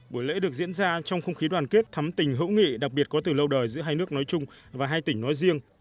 buổi lễ được diễn ra trong không khí đoàn kết thắm tình hữu nghị đặc biệt có từ lâu đời giữa hai nước nói chung và hai tỉnh nói riêng